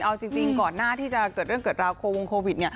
เอาจริงก่อนหน้าที่จะเกิดเรื่องเกิดราวโควงโควิด